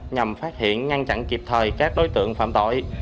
nhằm phát hiện ngăn chặn kịp thời các đối tượng phạm tội